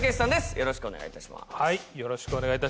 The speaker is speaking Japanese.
よろしくお願いします。